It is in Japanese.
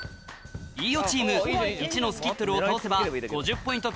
飯尾チーム１のスキットルを倒せば５０ポイント